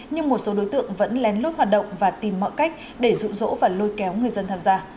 nhưng một số đối tượng vẫn lén lút hoạt động và tìm mọi cách để rụ rỗ và lôi kéo người dân tham gia